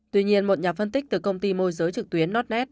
tuy nhiên một nhà phân tích từ công ty môi giới trực tuyến nond